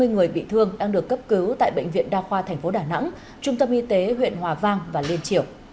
hai mươi người bị thương đang được cấp cứu tại bệnh viện đa khoa tp đà nẵng trung tâm y tế huyện hòa vang và liên triều